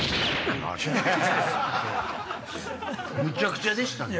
むちゃくちゃでしたね。